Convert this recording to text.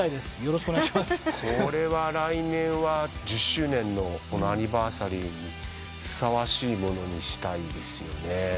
これは来年は１０周年のアニバーサリーにふさわしいものにしたいですね。